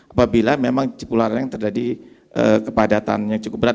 apabila memang cipularang terjadi kepadatan yang cukup berat